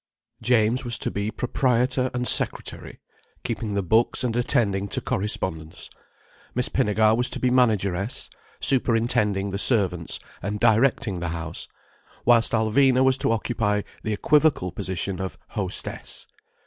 James was to be proprietor and secretary, keeping the books and attending to correspondence: Miss Pinnegar was to be manageress, superintending the servants and directing the house, whilst Alvina was to occupy the equivocal position of "hostess."